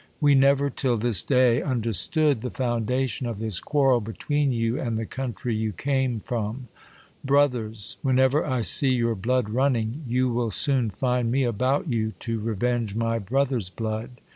We never till this day understood the foundation of this quarrel between you and the country you came from. Brot}i ers! Whenever I see your blood running, you will soon find me about you to revenge my brothers' blood.